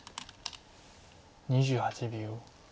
２８秒。